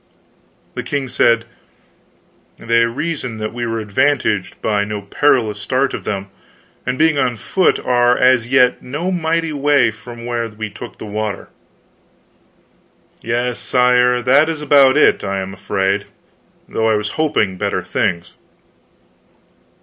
The king said: "They reason that we were advantaged by no parlous start of them, and being on foot are as yet no mighty way from where we took the water." "Yes, sire, that is about it, I am afraid, though I was hoping better things."